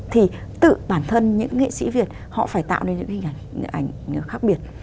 thì tự bản thân những nghệ sĩ việt họ phải tạo nên những hình ảnh khác biệt